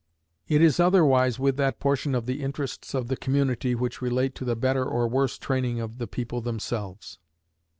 It is otherwise with that portion of the interests of the community which relate to the better or worse training of the people themselves.